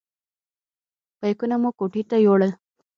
بیکونه مو خپلو کوټو ته یوړل.